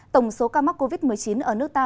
tổng số ca mắc covid một mươi chín ở nước ta